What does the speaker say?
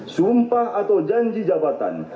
sumpah atau janji jabatan